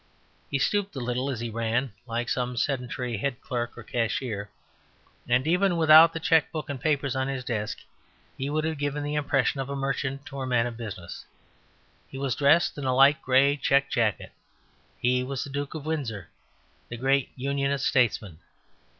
He stooped a little as he ran, like some sedentary head clerk or cashier; and even without the cheque book and papers on his desk would have given the impression of a merchant or man of business. He was dressed in a light grey check jacket. He was the Duke of Windsor, the great Unionist statesman.